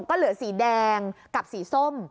ก็เหลือสีแดงกับสีส้ม